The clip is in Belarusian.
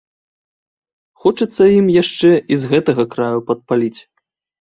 Хочацца ім яшчэ і з гэтага краю падпаліць.